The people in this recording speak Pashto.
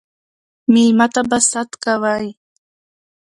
ميلمه ته به ست کوئ